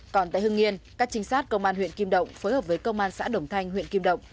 còn tại hưng yên các trinh sát công an huyện kim động phối hợp với công an xã đồng thanh huyện kim động